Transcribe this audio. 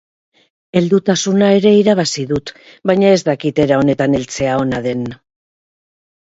Heldutasuna ere irabazi dut, baina ez dakit era honetan heltzea ona den.